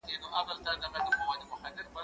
زه کولای شم دا کار وکړم؟